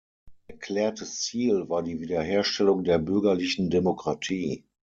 Erklärtes Ziel war die Wiederherstellung der bürgerlichen Demokratie.